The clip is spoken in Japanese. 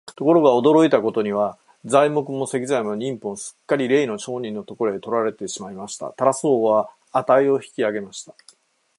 ところが、驚いたことには、材木も石材も人夫もすっかりれいの商人のところへ取られてしまいました。タラス王は価を引き上げました。